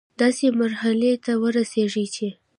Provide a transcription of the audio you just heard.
داسي مرحلې ته ورسيږي چي